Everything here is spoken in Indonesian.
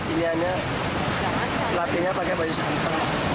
ini hanya latihnya pakai baju santa